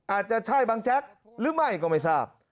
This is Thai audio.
อาจจะใช่บังแจ๊กหรือไม่ก็ไม่ทราบ